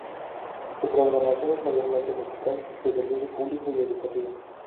Su programación es mayormente musical, de servicio público y educativa.